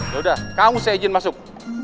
yaudah kamu saya izin masuk